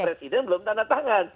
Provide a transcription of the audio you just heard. presiden belum tanda tangan